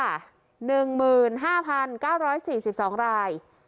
หนึ่งหมื่นห้าพันเก้าร้อยสี่สิบสองราย